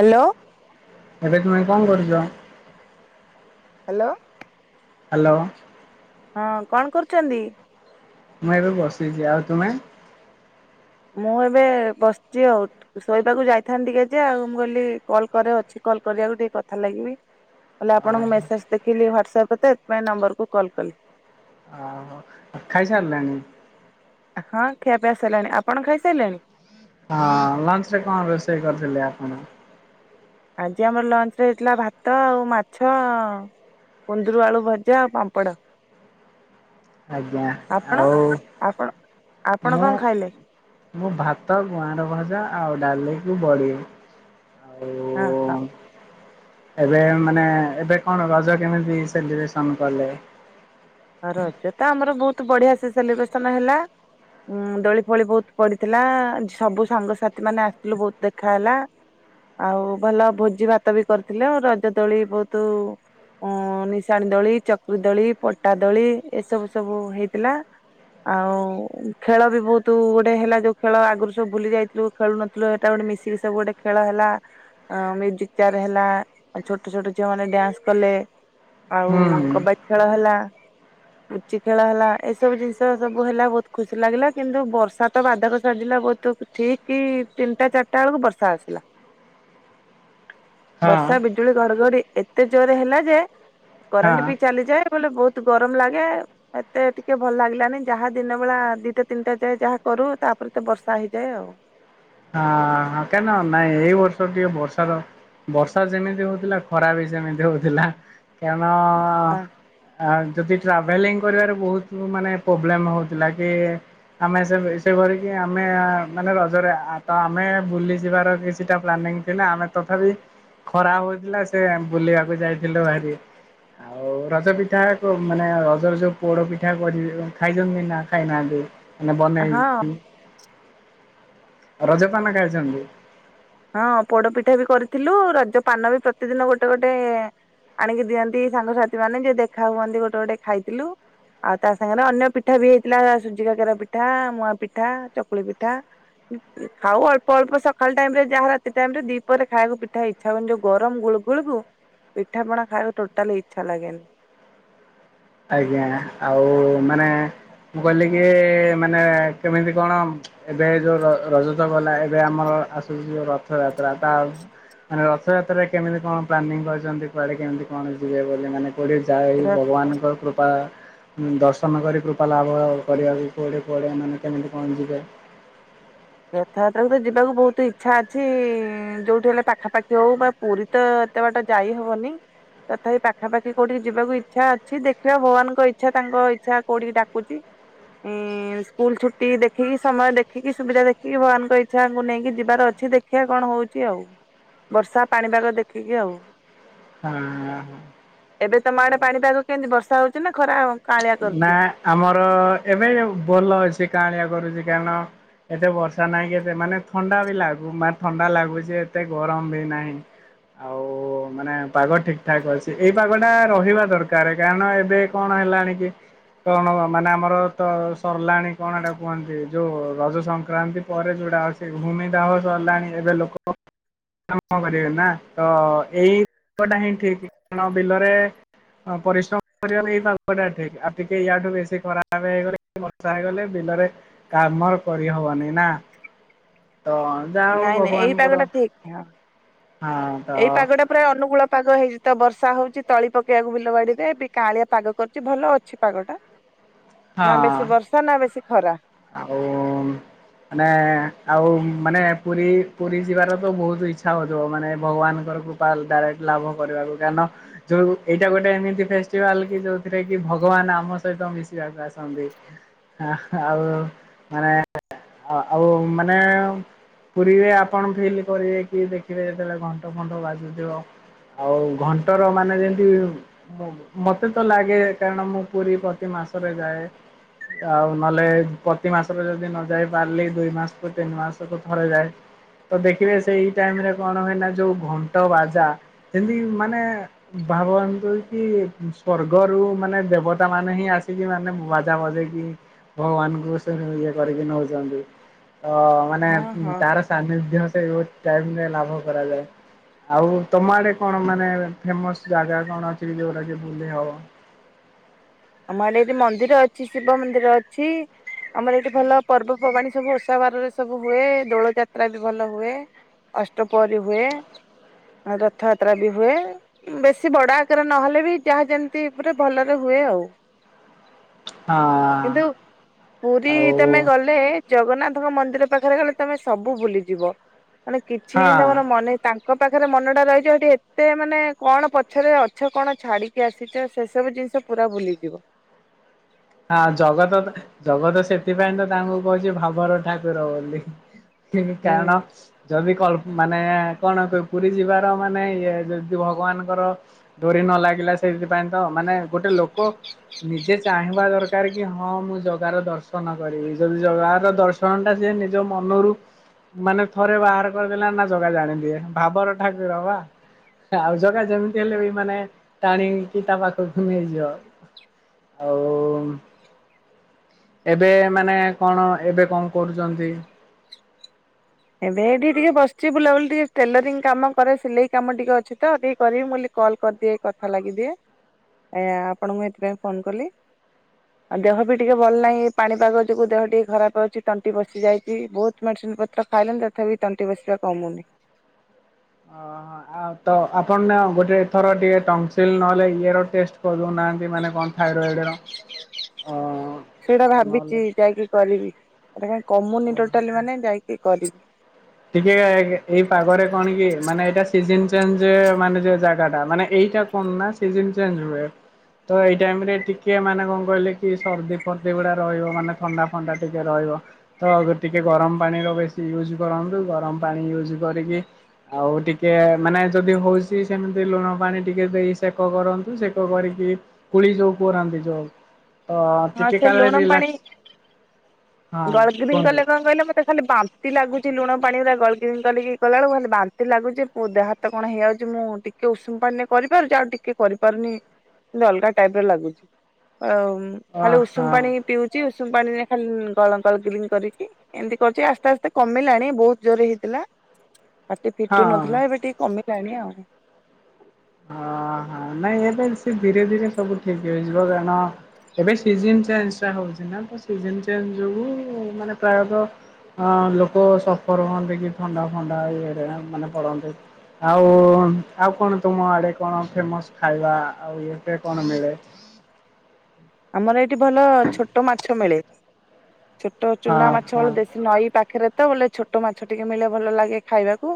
Hello. ଏବେ ତୁମେ କଣ କରୁଛି? ହ୍ୟାଲୋ। ହାଲୋ। ହଁ କଣ କରୁଛନ୍ତି? ମୁଁ ଏବେ ବସିଛି ଆଉ ତୁମେ? ମୁଁ ଏବେ ବସିଛି ଆଉ । ଶୋଇବାକୁ ଯାଇଥାନ୍ତି ଟିକେ ଯେ ଆଉ ମୁଁ କହିଲି କଲ୍ କରେ ଅଛି କଲ୍ କରିବାକୁ ଟିକେ କଥା ଲାଗିବି । କହିଲି ଆପଣଙ୍କ ମେସେଜ ଦେଖିଲି ହ୍ୱାଟସାପରେ ହେଥିପାଇଁ ନମ୍ବରକୁ କଲ କଲି । ଖାଇ ସାରିଲାଣି । ହଁ ଖିଆ ପିଆ ସରିଲାଣି ।ଆପଣ ଖାଇ ସାରିଲେଣି? ହଁ ଲଞ୍ଚ ରେ କଣ ରୋଷେଇ କରିଥିଲେ ଆପଣ? ଆଜି ଆମର ଲଞ୍ଚ ରେ ହେଇଥିଲା ଭାତ ଆଉ ମାଛ କୁନ୍ଦୁରୁ ଆଳୁ ଭଜା ପାମ୍ପଡ଼? ଆଜ୍ଞା ଆପଣ ଆଉ ଆପଣ ଆପଣ ମୁଁ କଣ ଖାଇଲେ? ମୁଁ ଭାତ ଗୁଆଁର ଭଜା ଆଉ ଡାଲି ବଡ଼ିି ହା ହ, ଏବେ ମାନେ ଏବେ କଣ ରଜ କେମିତି ସେଲିବ୍ରେସନ କଲେ? ହଁ ରଜ ତ ବଢିଆସେ ସେଲିବ୍ରେଶନ ହେଲା । ଉଁ ଦୋଳି ଫୋଳି ବହୁତ ପଡ଼ିଥିଲା । ସବୁ ସାଙ୍ଗ ସାଥି ମାନେ ଆସିଥିଲୁ ବହୁତ୍ ଦେଖାହେଲା ।ଆଉ ଭଲ ଭୋଜି ଭାତ ବି କରିଥିଲୁ। ରଜଦୋଳି ବହୁତ-ଉଁ-ନିଶାନି ଦୋଳି, ଚକ୍ରୀ ଦୋଳି ପଡି ପଟା ଦୋଳି ଏଇ ସବୁ ସବୁ ହେଇଥିଲା । ଆଉ ଖେଳ ବି ବହୁତ୍ ଗୋଟେ ହେଲା ଯଉ ଖେଳ ଆଗରୁ ସବୁ ଭୁଲିଯାଇଥିଲୁ, ଖେଳୁନଥିଲୁ ହେଟା ଗୋଟେ ମିଶିକି ସବୁ ଗୋଟେ ଖେଳ ହେଲା । ଆଁ- ମ୍ୟୁଜିକ ଚେୟାର ହେଲା, ଛୋଟ ଛୋଟ ଝିଅମାନେ ଡ୍ୟାନସ୍ କଲେ ହୁଁ ଆଉ କବାଡି ଖେଳ ହେଲା। ପୁଚି ଖେଳ ହେଲା। ଏସବୁ ଜିନିଷ ସବୁ ହେଲା ବହୁତ ଖୁସି ଲାଗିଲା । କିନ୍ତୁ ବର୍ଷା ତ ବାଧକ ସାଜିଲା ବହୁତ ଠିକ କି ତିନିଟା ଚାରିଟା ବେଳକୁ ବର୍ଷା ଆସିଲା । ହଁ ବର୍ଷା ବିଜୁଳି ଘଡଘଡି ଏତେ ଜୋରରେ ହେଲା ଯେ କରେଣ୍ଟ ହଁ। ବି ଚାଲିଯାଏ । କଲେ ବହୁତ୍ ଗରମ ଲାଗେ। ଏତେ ଟିକେ ଭଲ ଲାଗିଲାନି ଯାହା ଦିନବେଳା ଦୁଇଟା ତିନିଟା ଯାଏ ଯାହା କରୁ। ତା ପରେ ତ ବର୍ଷା ହୋଇଯାଏ ଆଉ । ହଁ ହଁ କେନ? ନାଇଁ ଏଇ ବର୍ଷ ଟିକେ ବର୍ଷାର-ବର୍ଷା ଯେମିତି ହଉଥିଲା ଖରା ବି ସେମିତି ହଉଥିଲା । କେନ୍ ଆ ଆ ଯଦି ଟ୍ରାଭେଲିଂ କରିବାରେ ବହୁତ ମାନେ ପ୍ରୋବ୍ଲେମ୍ ହେଉଥିଲା କି ଆମେ ସେ ସେଇ ଭଳିକି ଆମେ ମାନେ ରଜରେ ଆ-ତ ଆମେ ବୁଲି ଯିବାର କିଛିଟା ପ୍ଲାନିଂ ଥିଲା। ଆମେ ତଥାପି ଖରା ହଉଥିଲା ସେ ବୁଲିବାକୁ ଯାଇଥିଲୁ ଭାରି । ଆଉ ରଜ ପିଠାଯାକ ମାନେ ରଜର ଯୋଉ ପୋଡପିଠା କରି ଖାଇଚନ୍ତି ନା ଖାଇନାହାନ୍ତି? ମାନେ ହଁ ବନେଇକି ରଜ ପାନ ଖାଇ ଚନ୍ତି । ହଁ ପୋଡପିଠା ବି କରିଥିଲୁ । ରଜ ପାନ ବି ପ୍ରତିଦିନ ଗୋଟେ ଗୋଟେ ଆଣିକି ଦିଅନ୍ତି ସାଙ୍ଗସାଥି ମାନେ, ଯେ ଦେଖା ହୁଅନ୍ତି ଗୋଟେ ଗୋଟେ ଖାଇଥିଲୁ ଆଉ ତା ସାଙ୍ଗରେ ଅନ୍ୟ ପିଠା ବି ହେଇଥିଲା ସୁଜି କାକରା ପିଠା, ମୁହାଁ ପିଠା, ଚକୁଳି ପିଠା । ଖାଉ ଅଳ୍ପ ଅଳ୍ପ ସକାଳ ଟାଇମରେ ଯାହା ରାତି ଟାଇମ ରେ ଦ୍ଵିପହରେ ଖାଇବାକୁ ପିଠା ଇଛା ହୁଏନି । ଯୋଉ ଗରମ ଗୁଳଗୁଳକୁ ପିଠା ପଣା ଖାଇବାକୁ ଟୋଟାଲି ଇଚ୍ଛା ଲାଗେନି । ଆଜ୍ଞା । ଆଉ ମାନେ ମୁଁ କହିଲି କି ମାନେ କେମିତି କଣ ଏବେ ଯୋଉ ରଜ- ରଜ ତ ଗଲା । ଏବେ ଆମର ଆସୁଚି ଯୋଉ ରଥଯାତ୍ରା ତା ମାନେ ରଥଯାତ୍ରାରେ କେମିତି କଣ ପ୍ଲାନିଂ କରିଚନ୍ତି କୁଆଡେ କେମିତି କଣ ଯିବେ ବୋଲି ମାନେ ପଡ଼ି ଯାଏ ଭଗବାନଙ୍କ ର ଦର୍ଶନ କରି କୃପା ଲାଭ କରିବାକୁ କୁଆଡ଼େ କୁଆଡ଼େ ଏମାନେ କେମିତି କଣ ଯିବେ? ରଥଯାତ୍ରାକୁ ତ ଯିବାକୁ ବହୁତ ଇଚ୍ଛା ଅଛି, ଯୋଉଠି ହେଲେ ପାଖାପାଖି ହଉ ବା ପୁରୀ ତ ଏତେ ବାଟ ଯାଇ ହବନି। ତଥାପି ପାଖାପାଖି କୋଉଠିକି ଯିବାକୁ ଇଚ୍ଛା ଅଛି ଦେଖିବା ଭଗବାନଙ୍କ ଇଚ୍ଛା ତାଙ୍କ ଇଚ୍ଛା କୋଉଠିକି ଡାକୁଛି। ଉଁ ସ୍କୁଲ ଛୁଟି ଦେଖିକି ସମୟ ଦେଖିକି ସୁବିଧା ଦେଖ କି ଭଗବାନଙ୍କ ଇଚ୍ଛା ଆଙ୍କୁ ନେଇକି ଯିବାର ଅଛି ଦେଖିବା କଣ ହଉଛି ଆଉ। ବର୍ଷା ପାଣିପାଗ ଦେଖିକି ଆଉ। ହଁ। ହଁ। ଏବେ ତମ ଆଡେ ପାଣିପାଗ କେମିତି ବର୍ଷା? ର୍ଷା ହଉଚି ନା? ଖରା କାଁଳିଆ ନା କରୁଛି ଆମର ଏବେ ଭଲ ଅଚି କାହାଳିଆ କରୁଚି। କାରଣ ଏତେ ବର୍ଷା ନାହିଁ କି ଏତେ ମାନେ ଥଣ୍ଡା ବି ଲାଗୁ ମ ଥଣ୍ଡା ଲାଗୁଚି, ଏତେ ଗରମ ବି ନାହିଁ। ଆଉ ମାନେ ପାଗ ଠିକ ଠାକ୍ ଅଛି। ଏଇ ପାଗ ଟା ରହିବା ଦରକାର କାରଣ ଏବେ କଣ ହେଲା କି, କଣ ମାନେ ଆମର ତ ସରଲାଣି କଣ ଏଟା କୁହନ୍ତି ଯୋଉ ରଜ ସଂକ୍ରାନ୍ତି ପରେ ଯୋଉଟା ଅଛି ଭୂମିଦାହ ସରଲାଣି ଏବେ ଲୋକ କଣ କରିବେ ନା ତ ଏଇ କଡ଼ା ହିଁ ଠିକ୍। କଣ ବିଲରେ ହଁ ପରିଶ୍ରମ କରି ଆମେ ଏଇ ପାଉ। ହଟା ଠିକ ଆଉ ଟିକେ ୟାଠୁ ବେଶି ଖରାପ ହେଇଗଲେ ବର୍ଷା ହେଇଗଲେ ବିଲରେ କାମ କରିହବନି ନା। ତ ଯାହା ହଉ ନାଇଁ ନାଇଁ ଏଇ ପାଗ ଭଗବାନଙ୍କର ଟା ଠିକ ନୁହଁ। ହଁ ତ ଏଇ ପାଗଟା ପୁରା ଅନୁକୁଳ। ପାଗ ହେଇଚି ତ ବର୍ଷା ହଉଛି ତଳି ପକେଇବାକୁ ବିଲ ବାଡିରେ ବି କାଳିଆ ପାଗ କରୁଛି ଭଲ ଅଛି ପାଗ ଟା। ହଁ ନା ବେଶୀ ବର୍ଷା ନା ବେଶୀ ଖରା। ଆଉ ମାନେ ଆଉ ମାନେ ପୁରୀ ପୁରୀ ଯିବାର ତ ବହୁତ ଇଚ୍ଛା ହଉଥିବ, ମାନେ ଭଗବାନଙ୍କର କୃପା ଡାଇରେକ୍ଟ ଲାଭ କରିବାକୁ କାରଣ ଯୋଉ ଏଇଟା ଗୋଟେ ଏମିତି ଫେଷ୍ଟିଭାଲ କି ଯୋଉଥିରେ କି ଭଗବାନ ଆମ ସହିତ ମିଶିବାକୁ ଆସନ୍ତି। ଆଉ ମାନେ ଆଉ ମାନେ ପୁରୀରେ ଆପଣ ଫିଲ୍ କରିବେ କି ଦେଖିବେ ଯେତେବେଳେ ଘଣ୍ଟ ଫଣ୍ଟ ବାଜୁଥିବ ଆଉ ଘଣ୍ଟର ମାନେ ଯେମିତି ମତେ ତ ଲାଗେ କାରଣ ମୁଁ ପୁରୀ ପ୍ରତି ମାସରେ ଯାଏ ଆଉ ନହେଲେ ପ୍ରତି ମାସରେ ଯଦି ନ ଯାଇ ପାରିଲି ଦୁଇ ମାସକୁ ତିନି ମାସକୁ ଥରେ ଯାଏ ତ ଦେଖିବେ ସେଇ ଟାଇମ୍ ରେ କଣ ହୁଏନା ଯୋଉ ଘଣ୍ଟ ବାଜା ଯେମିତି ମାନେ ଭାବନ୍ତୁ କି ସ୍ଵର୍ଗରୁ ମାନେ ଦେବତା ମାନେ ହିଁ ଆସିକି ମାନେ ବାଜା ବାଜେଇକି ଭଗବାନଙ୍କୁ ଇଏ କରିକି ନଉଚନ୍ତି। ଅ ମାନେ ହଁ ହଁ ତାର ସାନିଧ୍ୟ ସେଇ ରେ ଲାଭ କରାଯାଏ। ଆଉ ତମ ଆଡେ କଣ ମାନେ ଫେମସ ଜାଗା କଣ ଅଛି ଯୋଉଟା କି ବୁଲି ହବ? ଆମ ଆଡ଼େ ଏଠି ମନ୍ଦିର ଅଛି ଶିବ ମନ୍ଦିର ଅଛି। ଆମର ଏଇଠି ଭଲ ପର୍ବପର୍ବାଣି ସବୁ ଓଷା ବାରରେ ସବୁ ହୁଏ। ଦୋଳ ଯାତ୍ରା ବି ଭଲ ହୁଏ। ଅଷ୍ଟପହରି ହୁଏ ରଥଯାତ୍ରା ବି ହୁଏ। ବେଶୀ ବଡ ଆକାରରେ ନହେଲେ ବି ଯାହା ଯେମିତି ପ ଭଲରେ ହୁଏ ଆଉ। ହଁ କିନ୍ତୁ ପୁରୀ ଆଉ ତମେ ଗଲେ ଜଗନ୍ନାଥ ଙ୍କ ମନ୍ଦିର ପାଖରେ ଗଲେ ତମେ ସବୁ ଭୁଲିଯିବ। ମାନେ କିଛି ହଁ। ତାଙ୍କ ମନେ ତାଙ୍କ ତାଙ୍କ ପାଖରେ ମନଟା ରହିଛି ଏଠି ଏତେ ମାନେ କଣ ପଛରେ ଅଛ କଣ ଛାଡ଼ିକି ଆସିଛ ସେସବୁ ଜିନିଷ ପୁରା ଭୁଲି [unintelligible] ହଁ ଜଗତ ତ ଜଗତ ସେଥିପାଇଁ ତ ତାଙ୍କୁ କହୁଛି ଭାବର ଠାକୁର ବୋଲି। ସେବି ହୁଁ କାରଣ ଯଦି କଳ୍ପ ମାନେ କଣ ପୁରୀ ଯିବାର ମାନେ ଇଏ ଯଦି ଭଗବାନଙ୍କର ଡୋରି ନ ଲାଗିଲା ସେଇଥିପାଇଁ ତ ମାନେ ଗୋଟେ ଲୋକ ନିଜେ ଚାହିଁବା ଦରକାର କି ହଁ ମୁଁ ଜଗା ର ଦର୍ଶନ କରିବି ଯଦି ଜଗାର ଦର୍ଶନ ଟା ସି ନିଜ ମନରୁ ମାନେ ଥରେ ବାହାର କରିଦେଲା ନା ଜଗା ଜାଣି ଦିଏ ଭାବର ଠାକୁର ବା ଆଉ ଜଗା ଯେମିତି ହେଲେ ବି ମାନେ ଟାଣିକି ତା ପାଖକୁ ନେଇଯିବ ଆଉ ଏବେ ମାନେ କଣ ଏବେ କଣ କରୁଛନ୍ତି? ଏବେ ଏଠି ଟିକେ ବସିଛି ବୁଲାବୁଲି ଟିକେ ଟେଲରିଂ କାମ କରେ ସିଲେଇ କାମ ଟିକେ ଅଛି ତ ଟିକେ କରିବି ମୁ ବ କଲ କରିଦିଏ କଥା ଲାଗିଦିଏ ଆପଣ ମୁଁ ଏଥିପାଇଁ ଫୋନ କଲି ଆଉ ଦେହ ବି ଟିକେ ଭଲ ନାହିଁ ପାଣିପାଗ ଯୋଗୁଁ ଦେହ ଟିକେ ଖରାପ ଅଛି ତଣ୍ଟି ବସି ଯାଇଛି ବହୁତ ମେଡିସିନ ପ ଖାଇଲେନ ତଥାପି ତଣ୍ଟି ବସିବା କମୁନି। ଅ ଆଉ ତ ଆପଣ ନା ଗୋଟେ ଏଥର ଟିକେ ଟଂସିଲ ନହେଲେ ଇଏ ର ଟେଷ୍ଟ କରିଦଉନାହାନ୍ତି ମାନେ କଣ ଥାଇରଏଡ଼ ର ଅ ସେଇଟା ନହେଲେ ଭାବିଛି ଯାଇକି କରିବି ଏଟା କାଇଁ କମୁନି ଟୋଟାଲି ମାନେ ଯାଇକି କରିିବି। ଟିକେ ଏଇ ପାଗରେ କଣ କି ମାନେ ଏଇଟା ସିଜିନ୍ ଚେଞ୍ଜ ମାନେ ଯେ ଜାଗା ଟା ମାନେ ଏଇଟା କଣ ନା ସିଜନ ଚେଞ୍ଜ ହୁଏ। ତ ଏଇ ଟାଇମ ରେ ଟିକେ ମାନେ କଣ କହିଲେ କି ସର୍ଦି ଫର୍ଦି ଗୁଡା ରହିବ ମାନେ ଥଣ୍ଡା ଫଣ୍ଡା ଟିକେ ରହିବ ତ ଟିକେ ଗରମ ପାଣିର ବେଶୀ ୟୁଜ କରନ୍ତୁ। ଗରମ ପାଣି ୟୁଜ କରିକି ଆଉ ଟିକେ ମାନେ ଯଦି ହଉଛି ସେମିତି ଲୁଣ ପାଣି ଟିକେ ଦେଇ ସେକ କରନ୍ତୁ ସେକ କରିକି କୁଳି ଯୋଉ କରନ୍ତି ଯୋଉ ତ ହଁ ଟିକେ ସେ କାଳେ ଲୁଣ ପାଣି ରିଲାକ୍ସ ହଁ ଗ୍ଲଗରିଙ୍ଗ କୁହନ୍ତୁ କଲେ କଣ କହିଲେ ମତେ ଖାଲି ବାନ୍ତି ଲାଗୁଛି ଲୁଣ ପାଣି ଗୁଡା ଗ୍ଲଗିରିଙ୍ଗ କି କଲା ବେଳକୁ ଖାଲି ବାନ୍ତି ଲାଗୁଛି ମୋ ଦେହ ହାତ କଣ ହେଇଯାଉଛି ମୁଁ ଟିକେ ଉଷୁମ ପାଣିରେେ କରିପାରୁଛି ଆଉ ଟିକେ କରିପାରୁନି ଟିକେ ଅଲଗା ଟାଇପ ର ଲାଗୁଛି ଆଉ ଅ ଖାଲି ଉଷୁମ ପାଣି ହଁ ପିଉଛି ଉ ଉଷୁମ ପାଣିରେ ଖାଲି ଗଳ ଗଳ ଙ୍ଗି କରିକି ଏମିତି କରୁଛି ଆସ୍ତେ ଆସ୍ତେ କମିଲାଣି ବହୁତ ଜୋରରେ ହେଇଥିଲା। ପାଟି ଫିଟୁ ହଁ। ନଥିଲା ଏବେ ଟିକେ କମି ଜାଣି ଆଉ। ଓହୋ ନାଇଁ ଏବେ ସେ ଧୀରେ ଧୀରେ ସବୁ ଠିକ ଇଯିବ କାରଣ ଏବେ ସିଜିନ ଚେଞ୍ଜ ଟା ହଉଛି ନା ତ ସିଜନ ଚେଞ୍ଜ ଯୋଗୁ ମାନେ ପ୍ରାୟତଃ ଲୋକ ସଫର ହୁଅନ୍ତି କି ଥଣ୍ଡା ଫଣ୍ଡା ଇଏରେ ମାନେ ପଡନ୍ତି ଆଉ ଆଉ କଣ? ତୁମ ଆଡେ କଣ ଫେମସ ଖାଇବା ଆଉ ଇଏ ଫିଏ କଣ ମିଳେ? ଆମର ଏଇଠି ଭଲ ଛୋଟ ମାଛ ମିଳେ। ଛୋଟ ଚୁନା ହଁ ମାଛ ହଁ ବେଳ ଦେଶୀ ନଈ ପାଖରେ ତ ବୋଲେ ଛୋଟ ମାଛ ଟିକେ ମିଳେ ଭଲ ଲାଗେ ଖାଇବାକୁ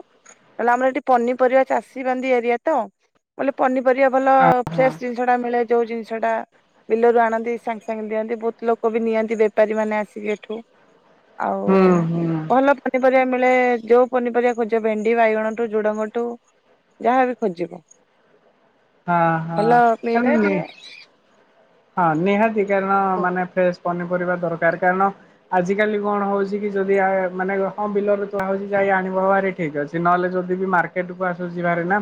ବଲେ ଆମର ଏଠି ପନିପରିବା ଚାଷୀ ବାନ୍ଧି ଏରିଆ ତ ବୋଲେ ପନି ପରିବା ଭଲ ଫ୍ରେସ ହଁ ଜିନିଷ ଟା ମିଳେ ଯୋଉ ଜିନିଷ ଟା ବିଲରୁ ଆଣନ୍ତି ସାଙ୍ଗେ ସାଙ୍ଗେ ଦିଅନ୍ତି ବହୁତ ଲୋକ ବି ନିଅନ୍ତି ବେପାରୀ ମାନେ ଆସିକି ଏଠୁ। ଆଉ ହୁଁ ହୁଁ ଭଲ ପନିପରିବା ମିଳେ ଯୋଉ ପନିପରିବା ଖୋଜିବ ଭେଣ୍ଡି ବାଇଗଣଠୁ ଝୁଡଙ୍ଗଠୁ ଯାହାବି ଖୋଜିବ। ହଁ ହଁ ଭଲ ମିଳେ ସେମି ଟିକେ ହଁ ନିହାତି ତେଲ ମାନେ ଫ୍ରେସ। ପନିପରିବା ଦରକାର କାରଣ ଆଜିକାଲି କଣ ହଉଛି କି ଯଦି ଅଁ ମାନେ ହଁ ବିଲରେ ତୋଳା ହଉଛି ଯାଇ ଆଣିବ ଭାରି ଠିକ ଅଛି ନହେଲେ ଯଦି ବି ମାର୍କେଟ କୁ ଆସୁଛି ବାହାରି ନା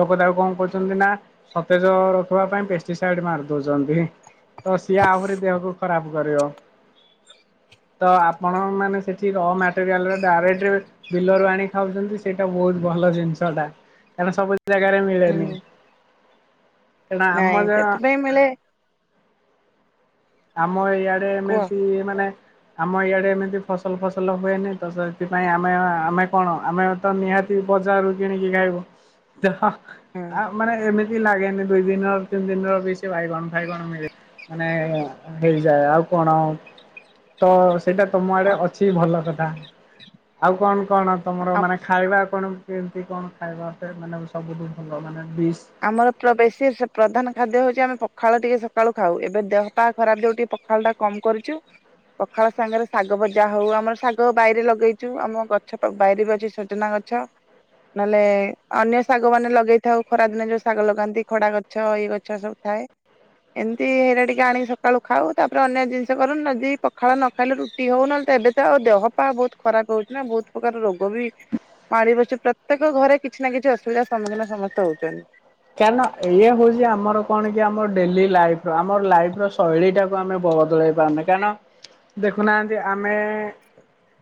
ଲୋକ ତାକୁ କଣ କରୁଛନ୍ତି ନା। ସତେଜ ରଖିବା ପାଇଁ ପେଷ୍ଟିସାଇଡ ମାରି ଦଉଛନ୍ତି। ତ ସିଏ ଆହୁରି ଦେହକୁ ଖରାପ। କରିବ ତ ଆପଣ ମାନେ ସେଠି ରମ୍ୟାଟେରିଆଲ ଡାଇରେକ୍ଟ ବିଲ ରୁ ଆଣି ଖାଉଛନ୍ତି ସେଇଟା ବହୁତ ଭଲ ଜିନିଷଟା କାରଣ ସବୁବେଳେ। ଜାଗାରେ ମିଳେନି। ହୁଁ କାରଣ ନାଇଁ ଆମ ସେଥିପାଇଁ ମିଳେ। ଆମ ଏଇ। ଆଡେ କୁହ ଏମିତି ମାନେ। ଆମ ଇଆଡେ ଏମିତି ଫସଲ ଫସଲ ହୁଏନି ତ ସେଥିପାଇଁ ଆମେ ଆମେ କଣ ଆମେ ତ ନିହାତି ବଜାରରୁୁ କିଣିକି ଖାଇବୁ ତ। ଆ ହୁଁ। ମାନେ ଏମତି। ଲାଗେନି ଦୁଇ ଦିନର ତିନି ଦିନର ବି ସେ ବାଇଗଣ ଫାଇଗଣ ମିଳେ ମାନେ। ହେଇଯାଏ ଆଉ କଣ ଆ ତ ସେଇଟା ତୁମ ଆଡ଼େ ଅଛି ଭଲ କଥା। ଆଉ କଣ? କଣ ତମର ମାନେ ଖାଇବା ଆପଣ କେମିତି କଣ ଖାଇବା ସେେ ମାନେ ସବୁଠୁ ଭଲ ମାନେ। ଡିସ୍ ଆମର ପ୍ରବେଶୀ ପ୍ରଧାନ ଖାଦ୍ୟ ହଉଛି ଆମା ପକ୍ ପଖାଳ ଟିକେ ସକାଳୁ ଖାଉ ଏବେ ଦେହପା ଖରାପ ହେଉଛି ଟିକେ ପଖାଳ ଟା କମ କରୁଛୁ ପଖାଳ ସାଙ୍ଗରେ ଶାଗ ଭଜା ହଉ ଆମର ଶାଗ ବାଇରେ ଲଗେଇଛୁ ଆମ ଗଛ ବାଇରେ ବି ଅଛି ସଜନା ଗଛ ନହେଲେ ଅନ୍ୟ ଶାଗ ମାନେ ଲଗେଇଥାଉ। ଖରାଦିନେ ଯୋଉ ଶାଗ ଲଗାନ୍ତି ଖଡ଼ା ଗଛ ଏଇ ଗଛ ସବୁ ଥାଏ ଏମିତି ହେଇରା ଟିକେ ଆଣିକି ସକାଳୁ ଖାଉ ତାପରେ ଅନ୍ୟ ଜିନିଷ କରୁନ ଯଦି ପଖାଳ ନ ଖାଇଲେୁ ରୁଟି ହଉ ନହେଲେ ତ ଏବେ ତ ଆଉ ଦେହ ପା ବହୁତ ଖରାପ ହଉଛି ନା ବହୁତ ପ୍ରକାର ରୋଗ ବି ମାଡ଼ି ବସିଛି ପ୍ରତ୍ୟେକ ଘରେ କିଛି ନା କିଛି ଅସୁବିଧାର ସମ୍ମୁଖୀନ ସମସ୍ତେ ହଉଚୁ। [unintelligible] କାରଁଣ ଇଏ ହଉଛି ଆମର କଣ କି ଆମ ଡେଲି ଲାଇଫ ର ଆମର ଲାଇଫ ର ଶୈଳୀ ଟାକୁ ଆମେ ବଦଳେଇ ପାରୁନେ କାରଣ ଦେଖୁନାହାନ୍ତି ଆମେ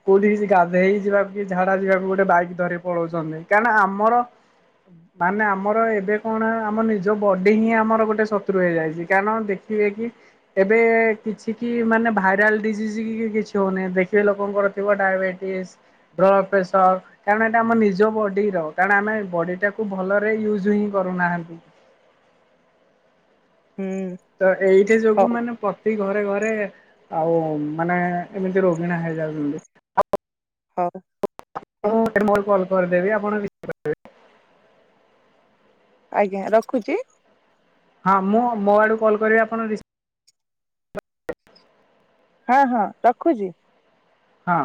କୋଉଠିକି ଗାଧେଇ ଯିବାକୁ କି ଝାଡା ଯିବାକୁ ଗୋଟେ ବାଇକ୍ ଧରି ପଳାଉଛନ୍ତି କାରଣ ଆମର ମାନେ ଆମର ଏବେ କଣ ଆମ ନିଜ ବଡ଼ି ହିଁ ଆମର ଗୋଟେ ଶତ୍ରୁ ହୋଇଇଯାଇଛି କାରଣ ଦେଖିବେ କି ଏବେ କିଛି କି ମାନେ ଭାଇରାଲ ଡିଜିଜି କି କିଛି ହେଉନି ଦେଖିବେ ଲୋକଙ୍କର ଥିବ ଡାଇବେଟିସ୍ ବ୍ଲଡ଼ ପ୍ରେସର କାରଣ ଏଇଟା ଆମ ନିଜ ବଡ଼ିର କାରଣ ଆମେ ବଡ଼ିଟାକୁ ଭଲରେ ୟୁଜ୍ ହିଁ କରୁନାହାନ୍ତି। ହୁଁ ତ ଏଇଠି ଯୋଗୁ ହଉ ମାନେ ପ୍ରତି ଘରେ ଘରେ ଆଉ ମାନେ ଏମିତି ରୋଗୀଣ ହେଇଯାଉଛନ୍ତି। ହଉ। ହଉ ମଲ ମଲ୍। କରିଦେବି ଆପଣ [unintelligible] ଆଜ୍ଞା ରଖୁଛି। ହଁ ମୁଁ ମୋ ଆଡକୁ କଲ୍ କରିବି ଆପଣ ରିସ ହଁ ହଁ ରଖୁଛି। ହଁ।